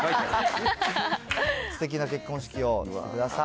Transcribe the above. すてきな結婚式をお送りください。